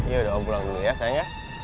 ya udah om pulang dulu ya soalnya